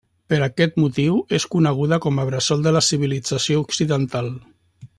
Per aquest motiu, és coneguda com a bressol de la civilització occidental.